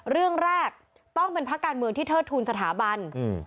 เรื่องแรกต้องเป็นพักการเมืองที่เทิดทูลสถาบัน